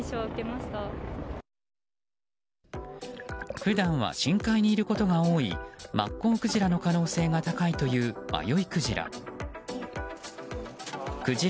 普段は深海にいることが多いマッコウクジラの可能性が高いという迷いクジラ。